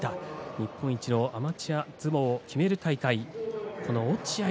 日本一のアマチュア相撲を決める大会。